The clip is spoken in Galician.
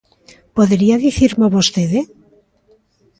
¿Podería dicirmo vostede?